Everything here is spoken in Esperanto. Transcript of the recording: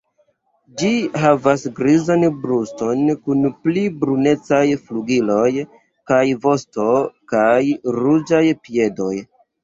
Ĝi havas grizan bruston kun pli brunecaj flugiloj kaj vosto kaj ruĝaj piedoj.